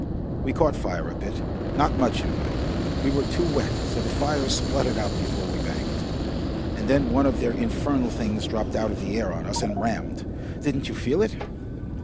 We caught fire a bit not much, you know. We were too wet, so the fires spluttered out before we banged. And then one of their infernal things dropped out of the air on us and rammed. Didn't you feel it?"